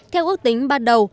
theo ước tính ban đầu